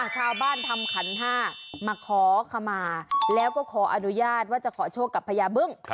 ทำขันห้ามาขอขมาแล้วก็ขออนุญาตว่าจะขอโชคกับพญาบึ้ง